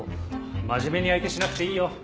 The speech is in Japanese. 真面目に相手しなくていいよ。